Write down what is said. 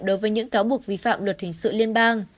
đối với những cáo buộc vi phạm luật hình sự liên bang